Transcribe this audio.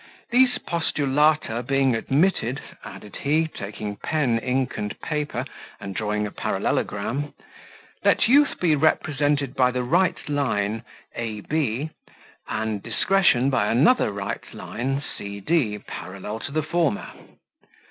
These postulata being admitted," added he, taking pen, ink, and paper, and drawing a parallelogram, "let youth be represented by the right line, a b, and discretion by another right line, c d, parallel to the former.